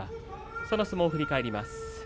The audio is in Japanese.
その相撲を振り返ります。